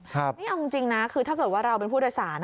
นี่เอาจริงนะคือถ้าเกิดว่าเราเป็นผู้โดยสาร